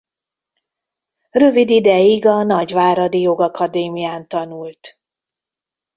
Rövid ideig a nagyváradi jogakadémián tanult.